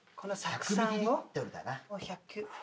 １００。